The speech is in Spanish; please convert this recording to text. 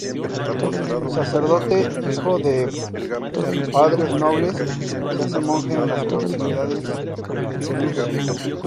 Sacerdote, hijo de padres nobles, se hace monje en las proximidades de Pelusio.